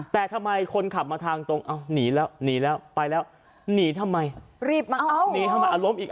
แต่ทำไมคนขับมาทางตรงหนีแล้วหนีแล้วไปแล้วหนีทำไมหนีทำไมอ่ะล้มอีก